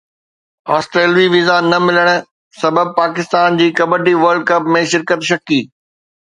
آسٽريلوي ويزا نه ملڻ سبب پاڪستان جي ڪبڊي ورلڊ ڪپ ۾ شرڪت شڪي